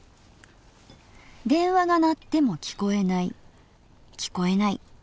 電話が鳴ってもきこえないきこえない。